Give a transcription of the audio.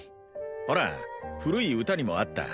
ほら古い歌にもあった